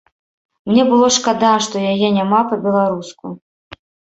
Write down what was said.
Мне было шкада, што яе няма па-беларуску.